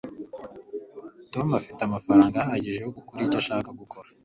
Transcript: tom afite amafaranga ahagije yo gukora icyo ashaka gukora